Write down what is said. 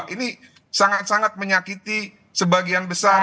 ini sangat sangat menyakiti sebagian besar